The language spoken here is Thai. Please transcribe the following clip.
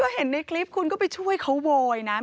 คือเห็นในคลิปคุณก็ไปช่วยเขาโวยนะ